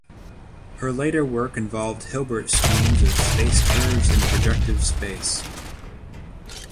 Her later work involved Hilbert schemes of space curves in projective space.